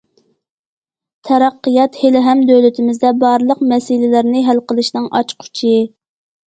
تەرەققىيات ھېلىھەم دۆلىتىمىزدە بارلىق مەسىلىلەرنى ھەل قىلىشنىڭ ئاچقۇچى.